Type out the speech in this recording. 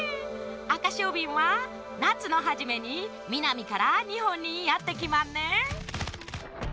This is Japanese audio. アカショウビンはなつのはじめにみなみからにほんにやってきまんねん。